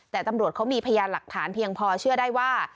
แต่ตำรวจเขามีพยานหลักฐานเพียงพอเชื่อได้ว่า